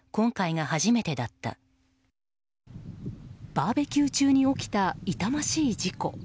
バーベキュー中に起きた痛ましい事故。